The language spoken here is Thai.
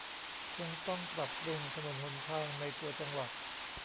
คงต้องปรับปรุงถนนหนทางในตัวจังหวัด